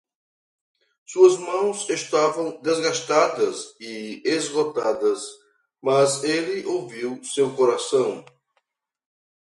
Suas mãos estavam desgastadas e esgotadas, mas ele ouviu seu coração.